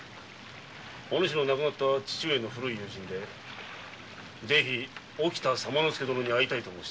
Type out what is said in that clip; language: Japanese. お主の亡くなった父上の古い友人でぜひ沖田左馬助殿に会いたいと申しておる。